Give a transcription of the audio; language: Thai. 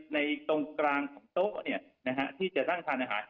ในกลางช่องโท๊ะที่จะสร้างนักอาหาร